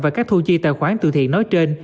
và các thu chi tài khoản từ thiện nói trên